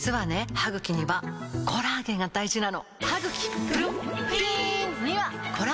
歯ぐきにはコラーゲンが大事なの！